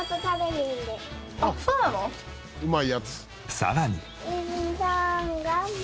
さらに。